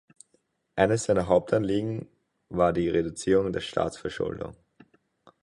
Eines seiner Hauptanliegen war die Reduzierung der Staatsverschuldung.